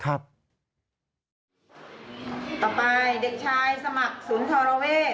ต่อไปเด็กชายสมัครสุนทรเวศ